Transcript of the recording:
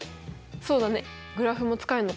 そうだね。